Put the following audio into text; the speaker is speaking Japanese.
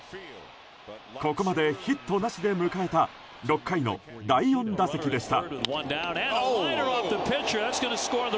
ここまでヒットなしで迎えた６回の第４打席でした。